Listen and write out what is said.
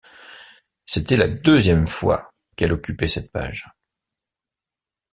C'était la deuxième fois qu'elle occupait cette page.